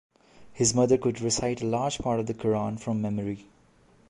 His mother could recite a large part of the Qur'an from memory.